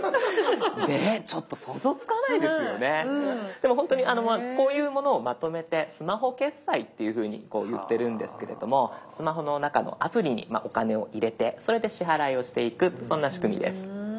でもほんとにこういうものをまとめて「スマホ決済」っていうふうに言ってるんですけれどもスマホの中のアプリにお金を入れてそれで支払いをしていくそんな仕組みです。